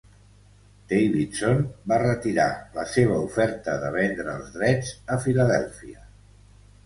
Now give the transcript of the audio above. Davidson va retirar la seva oferta de vendre els drets a Filadèlfia.